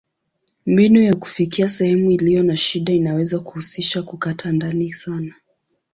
Mbinu ya kufikia sehemu iliyo na shida inaweza kuhusisha kukata ndani sana.